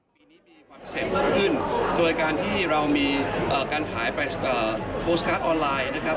ปีนี้มีความพิเศษเพิ่มขึ้นโดยการที่เรามีการขายโพสต์การ์ดออนไลน์นะครับ